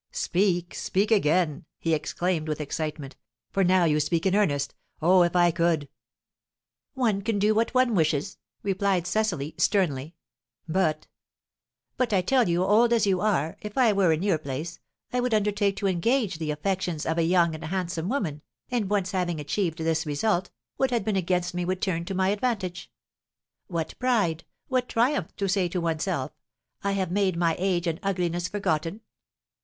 "Speak, speak again!" he exclaimed, with excitement. "For now you speak in earnest. Oh, if I could " "One can do what one wishes," replied Cecily, sternly. "But " "But I tell you, old as you are, if I were in your place I would undertake to engage the affections of a young and handsome woman, and once having achieved this result, what had been against me would turn to my advantage. What pride, what triumph to say to oneself, I have made my age and ugliness forgotten!